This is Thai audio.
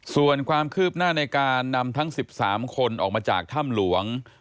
ส่วนความคืบหน้าในการนำทั้ง๑๓คนออกมาจากถ้ำหลวง